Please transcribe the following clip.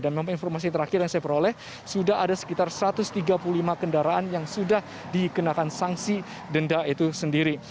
dan memang informasi terakhir yang saya peroleh sudah ada sekitar satu ratus tiga puluh lima kendaraan yang sudah dikenakan sanksi denda itu sendiri